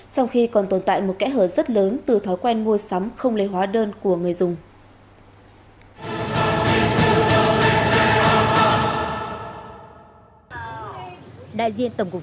trong khi còn tồn tại một kẽ hở rất lớn từ thói quen mua sắm không lấy hóa đơn của người dùng